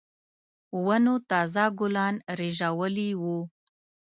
ونو تازه ګلان رېژولي وو.